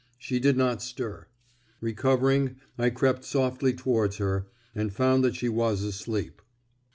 She did not stir. Recovering, I crept softly towards her, and found that she was asleep.